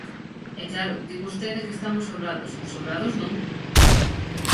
E, claro, di vostede que estamos sobrados; sobrados, non.